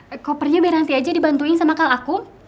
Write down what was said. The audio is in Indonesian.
ehm kopernya biar nanti aja dibantuin sama kal aku